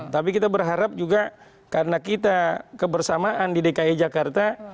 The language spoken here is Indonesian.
tapi kita berharap juga karena kita kebersamaan di dki jakarta